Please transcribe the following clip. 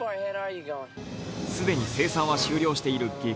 既に生産は終了している激